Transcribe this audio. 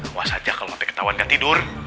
awas aja kalau pak d ketahuan gak tidur